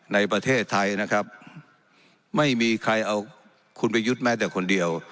ในประเทศไทยนะครับไม่มีใครเอาคุณประยุทธ์แม้แต่คนเดียว